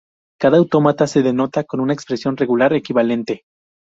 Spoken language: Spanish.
Cada autómata se denota con una expresión regular equivalente.